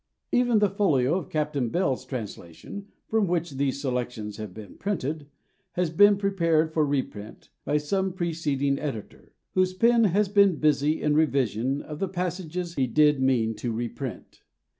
Even the folio of Captain Bell's translation, from which these Selections have been printed, has been prepared for reprint by some preceding editor, whose pen has been busy in revision of the passages he did mean to reprint.